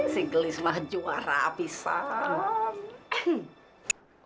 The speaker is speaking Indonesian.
si gelis mah juara habisan